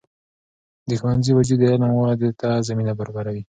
د ښوونځي وجود د علم ودې ته زمینه برابروي.